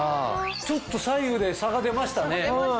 ちょっと左右で差が出ましたね。